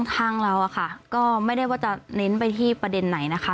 ทางเราอะค่ะก็ไม่ได้ว่าจะเน้นไปที่ประเด็นไหนนะคะ